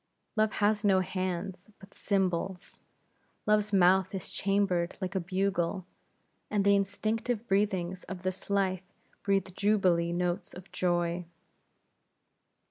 Love has not hands, but cymbals; Love's mouth is chambered like a bugle, and the instinctive breathings of his life breathe jubilee notes of joy!